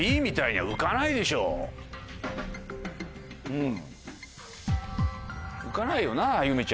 うん。